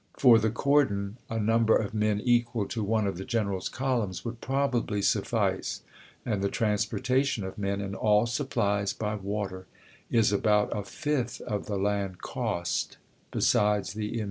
For the cordon a number of men equal to one of the general's columns w^ould probably suffice, and the transportation of men and aU supplies by SCOTT'S ANACONDA 301 water is about a fiftli of the land cost, besides the im cn.